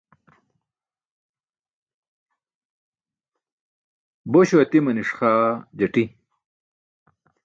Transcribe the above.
Bośo atimaniṣ xaa jati.